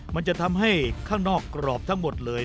มันจะทำให้ข้างนอกกรอบทั้งหมดเลย